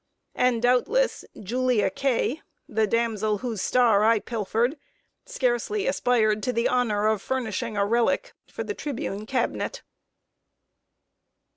And, doubtless, "Julia K ," the damsel whose star I pilfered, scarcely aspired to the honor of furnishing a relic for The Tribune cabinet.